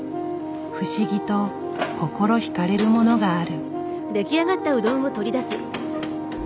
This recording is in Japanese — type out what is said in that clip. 不思議と心ひかれるものがある。